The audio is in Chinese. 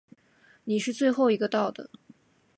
你是最后一个到的。